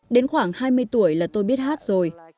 đến khoảng hai mươi tuổi là tôi biết hát rồi